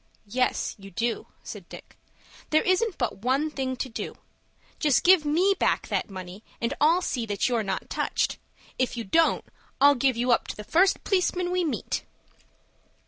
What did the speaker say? "Yes you do," said Dick. "There isn't but one thing to do. Just give me back that money, and I'll see that you're not touched. If you don't, I'll give you up to the first p'liceman we meet."